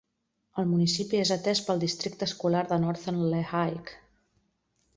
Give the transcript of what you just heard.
El Municipi és atès pel Districte Escolar de Northern Lehigh.